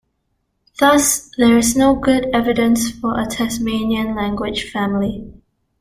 Thus there is no good evidence for a Tasmanian language family.